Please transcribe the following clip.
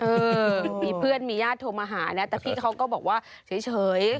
เออมีเพื่อนมีญาติโทรมาหานะแต่พี่เขาก็บอกว่าเฉย